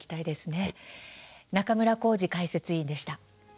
中村幸司解説委員でした。